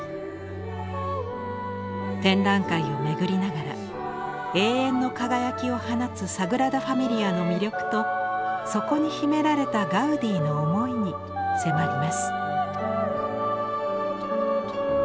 展覧会を巡りながら永遠の輝きを放つサグラダ・ファミリアの魅力とそこに秘められたガウディの思いに迫ります。